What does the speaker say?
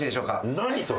何それ？